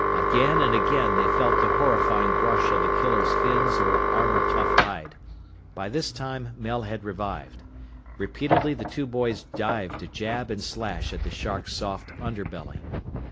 Again and again they felt the horrifying brush of the killer's fins or armor tough hide. By this time, Mel had revived. Repeatedly the two boys dived to jab and slash at the shark's soft underbelly.